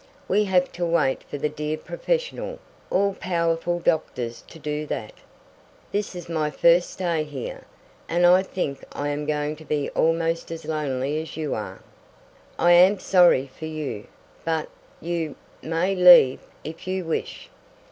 "We have to wait for the dear professional, all powerful doctors to do that. This is my first day here, and I think I am going to be almost as lonely as you are." "I am sorry for you, but you may leave if you wish.